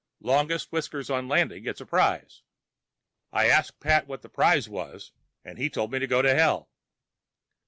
Longest whiskers on landing gets a prize. I asked Pat what the prize was and he told me to go to hell.